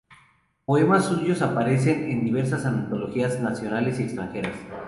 Poemas suyos aparecen en diversas antologías nacionales y extranjeras.